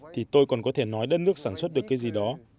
thì tôi còn có thể nói đất nước sản xuất được cái gì đó